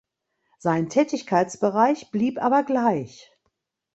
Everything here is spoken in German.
Sein Tätigkeitsbereich blieb aber gleich.